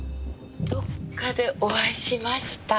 どっかでお会いしました？